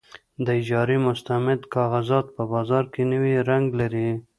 د اجارې مستند کاغذات په بازار کې نوی رنګ لري.